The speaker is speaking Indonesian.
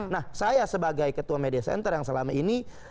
nah saya sebagai ketua media center yang selama ini